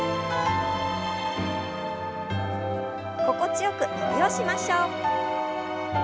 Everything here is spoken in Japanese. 心地よく伸びをしましょう。